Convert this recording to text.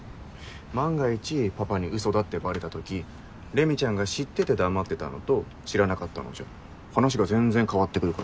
万が一パパにうそだってバレたときレミちゃんが知ってて黙ってたのと知らなかったのじゃ話が全然変わってくるから。